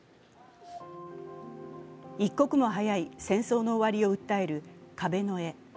一刻も早い戦争の終わりを訴える壁の絵。